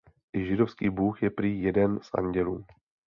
I židovský Bůh je prý jeden z andělů.